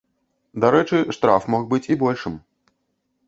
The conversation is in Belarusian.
Дарэчы, штраф мог быць і большым.